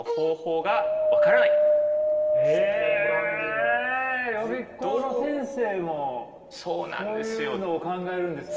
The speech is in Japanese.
悩みはへえ予備校の先生もそういうのを考えるんですか？